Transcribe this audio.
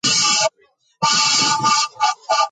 ფერდობთა უმეტესობას აქვს რთული გენეზისი.